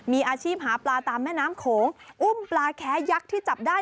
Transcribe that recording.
มีอาชีพหาปลาตามแม่น้ำโขงอุ้มปลาแค้ยักษ์ที่จับได้